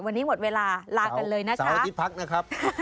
วันนี้หมดเวลาลากันเลยนะครับ